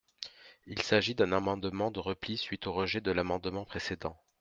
Il s’agit d’un amendement de repli suite au rejet de l’amendement précédent.